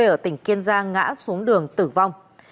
ở tỉnh kiên giang ngã xuống đường tử vong